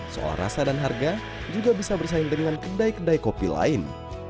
soal rasa dan harga juga bisa bersaing dengan kedai kedai kopi lain